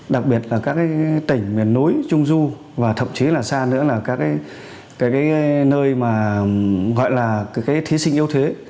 đặc biệt là các tỉnh miền núi trung du và thậm chí là xa nữa là các nơi gọi là thí sinh yêu thế